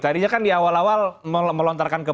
tadinya kan di awal awal melontarkan ke